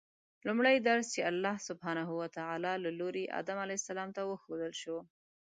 لومړی درس چې الله سبحانه وتعالی له لوري آدم علیه السلام ته وښودل شو